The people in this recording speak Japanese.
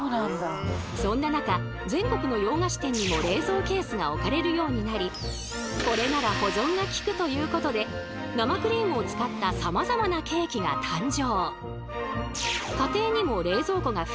そんな中全国の洋菓子店にも冷蔵ケースが置かれるようになりこれなら保存がきくということで生クリームを使ったさまざまなケーキが誕生。